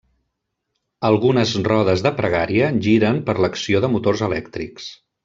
Algunes rodes de pregària giren per l'acció de motors elèctrics.